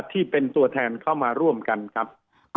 ที่เป็นตัวแทนเข้ามาร่วมกันครับ